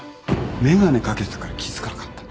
眼鏡掛けてたから気付かなかった。